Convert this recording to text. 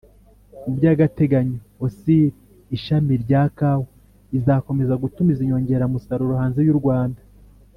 mu by'agateganyo, ocir-ishami rya kawa izakomeza gutumiza inyongeramusaruro hanze y'u rwanda